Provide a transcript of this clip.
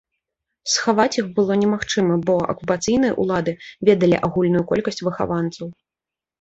Схаваць іх было немагчыма, бо акупацыйныя ўлады ведалі агульную колькасць выхаванцаў.